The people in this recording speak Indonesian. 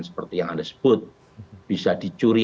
seperti yang anda sebut bisa dicuri